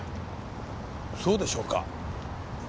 そうでしょうか？